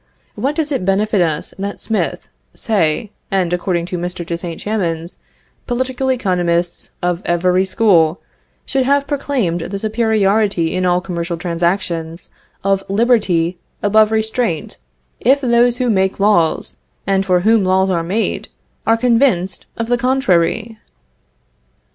What does it benefit us that Smith, Say, and, according to Mr. de St. Chamans, political economists of every school, should have proclaimed the superiority in all commercial transactions, of liberty above restraint, if those who make laws, and for whom laws are made, are convinced of the contrary?